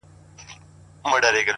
خداى دي زما د ژوندون ساز جوړ كه،